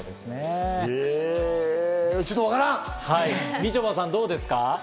みちょぱさん、どうですか？